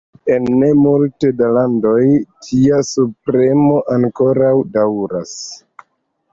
En ne malmulte da landoj, tia subpremo ankoraŭ daŭras.